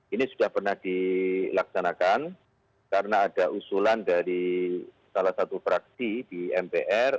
ini sudah pernah dilaksanakan karena ada usulan dari salah satu fraksi di mpr